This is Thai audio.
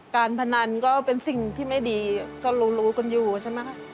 การพนันก็เป็นสิ่งที่ไม่ดีก็รู้รู้กันอยู่ใช่ไหมคะ